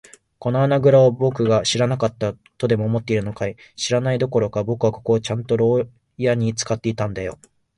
この穴ぐらをぼくが知らなかったとでも思っているのかい。知らないどころか、ぼくはここをちゃんと牢屋ろうやに使っていたんだよ。